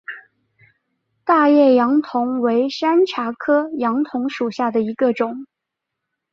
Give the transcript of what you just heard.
大叶杨桐为山茶科杨桐属下的一个种。